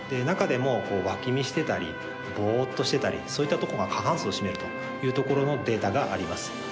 中でも脇見してたりぼっとしてたりそういったとこが過半数を占めるというところのデータがあります。